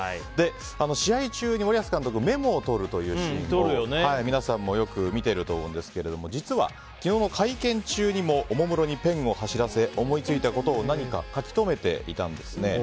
試合中に森保監督メモを取るシーンを、皆さんもよく見ていると思うんですが実は、昨日の会見中にもおもむろにペンを走らせ思いついたことを何か書き留めていたんですね。